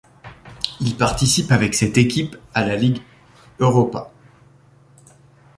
Il participe avec cette équipe à la Ligue Europa.